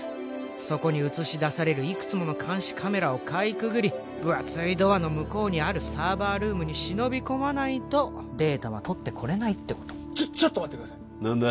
そこにうつし出されるいくつもの監視カメラをかいくぐりぶ厚いドアの向こうにあるサーバールームに忍び込まないとデータは取ってこれないってことちょちょっと待ってください何だ？